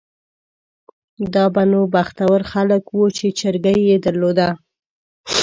دا به نو بختور خلک وو چې چرګۍ یې درلوده.